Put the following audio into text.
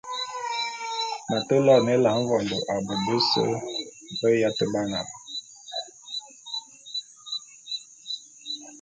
M’ate loene Ela mvondô a bôte bese be yate ba na.